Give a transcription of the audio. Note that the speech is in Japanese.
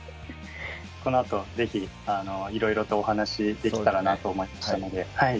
このあと是非いろいろとお話しできたらなと思いましたのではい。